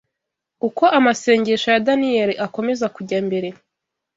Uko amasengesho ya Daniyeli akomeza kujya mbere